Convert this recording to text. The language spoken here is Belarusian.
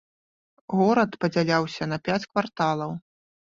Горад падзяляўся на пяць кварталаў.